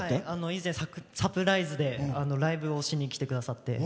以前、サプライズでライブをしに来てくださって。